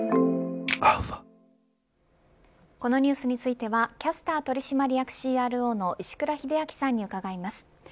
このニュースについてはキャスター取締役ＣＲＯの石倉秀明さんに伺います。